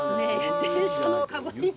電車のかぶり物。